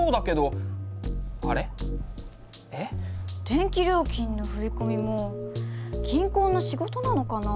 電気料金の振込も銀行の仕事なのかな？